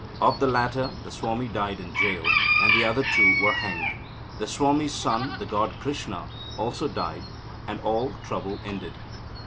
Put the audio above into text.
Of the latter, the Swami died in jail, and the other two were hanged. The Swami's son, the god Krishna, also died, and all trouble ended.